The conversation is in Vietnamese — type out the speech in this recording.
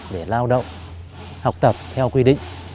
để lao động học tập theo quy định